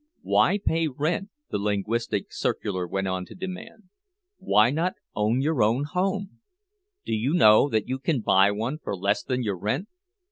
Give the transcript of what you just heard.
_" "Why pay rent?" the linguistic circular went on to demand. "Why not own your own home? Do you know that you can buy one for less than your rent?